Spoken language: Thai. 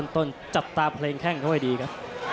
ต้นจับตาเพลงแค่งก็ไม่ดีครับ